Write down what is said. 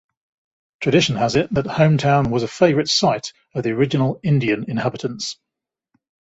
Tradition has it that Hometown was a favorite site of the original Indian inhabitants.